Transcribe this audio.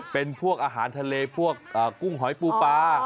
เป็นพวกอาหารทะเลพวกกุ้งหอยปูปลา